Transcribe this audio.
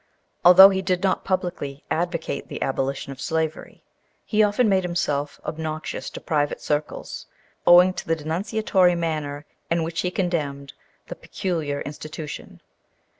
Although he did not publicly advocate the abolition of slavery, he often made himself obnoxious to private circles, owing to the denunciatory manner in which he condemned the "peculiar institution."